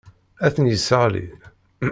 Ad ten-yesseɣli.